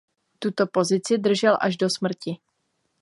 Tuto pozici držel až do smrti.